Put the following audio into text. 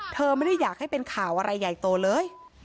เธอไม่ได้อยากให้เป็นข่าวอะไรใหญ่โตเลย